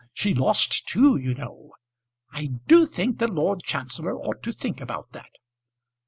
She lost two, you know. I do think the Lord Chancellor ought to think about that.